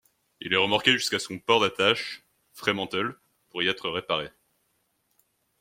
Il est remorqué jusqu'à son port d'attache, Fremantle, pour y être réparé.